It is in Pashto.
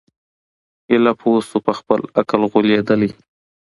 ایله پوه سو په خپل عقل غولیدلی